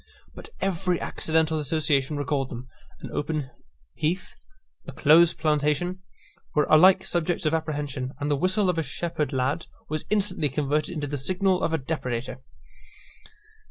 But every accidental association recalled them. An open heath, a close plantation, were alike subjects of apprehension; and the whistle of a shepherd lad was instantly converted into the signal of a depredator.